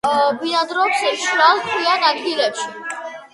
ბინადრობს მშრალ, ქვიან ადგილებში.